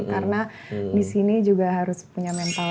karena di sini juga harus punya mentalnya